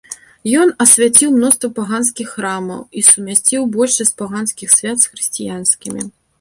Ён асвяціў мноства паганскіх храмаў і сумясціў большасць паганскіх свят з хрысціянскімі.